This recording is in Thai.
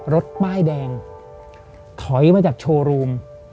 รถป้ายแดงถอยมาจากโชว์รูม